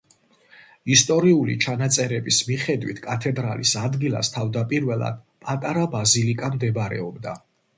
ისტორიული ჩანაწერების მიხედვით, კათედრალის ადგილას თავდაპირველად პატარა ბაზილიკა მდებარეობდა.